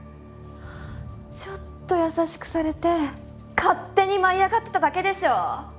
ちょっと優しくされて勝手に舞い上がってただけでしょ？